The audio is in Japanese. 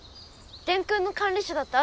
電空の管理者だったあ